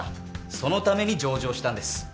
そのために上場したんです。